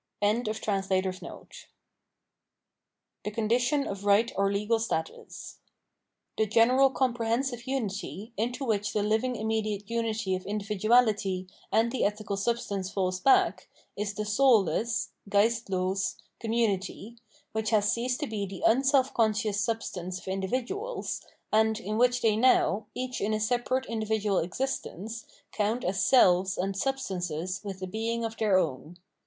] 478 The Condition of Eight or Legal Status The general comprehensive unity, into which the living immediate unity of individuality and the ethical substance falls back, is the soulless {geistlos) community, which has ceased to be the un selfconscious ^ substance of individuals, and in which they now, each in his separate individual existence, count as selves and substances with a being of their own.